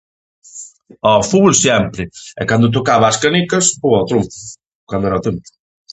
Ao fútbol siempre e cando tocaba ás canicas ou ao trombo, cando era tempo.